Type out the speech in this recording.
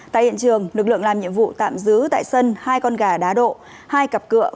tại hiện trường lực lượng làm nhiệm vụ tạm giữ tại sân hai con gà đá độ hai cặp cửa